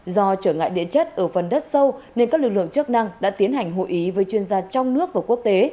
do trở ngại địa chất ở phần đất sâu nên các lực lượng chức năng đã tiến hành hội ý với chuyên gia trong nước và quốc tế